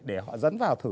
để họ dẫn vào thử